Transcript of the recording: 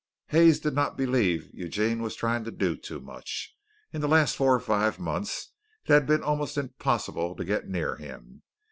Hayes did not believe Eugene was trying to do too much. In the last four or five months it had been almost impossible to get near him.